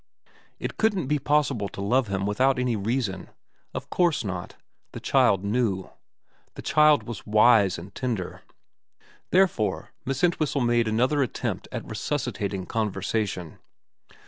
It couldn't be possible to love him without any reason. Of course not. The child knew. The child was wise and tender. Therefore Miss Entwhistle made another attempt at resuscitating conversation.